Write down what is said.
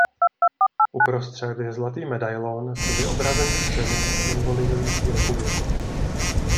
Uprostřed je zlatý medailon s vyobrazením ženy symbolizující republiku.